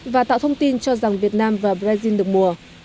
và tạo thông tin cho rằng việt nam và brazil được mùa